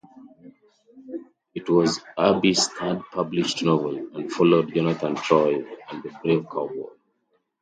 It was Abbey's third published novel and followed "Jonathan Troy" and "The Brave Cowboy".